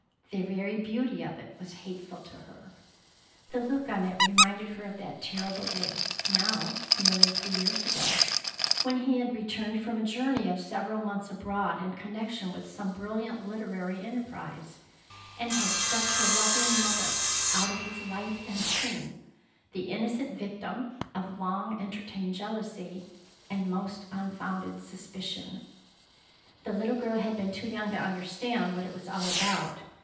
The very beauty of it was hateful to her. The look on it reminded her of that terrible day, now nearly three years ago, when he had returned from a journey of several months abroad in connection with some brilliant literary enterprise, and had swept her lovely mother out of his life and home, the innocent victim of long entertained jealousy and most unfounded suspicion. The little girl had been too young to understand what it was all about.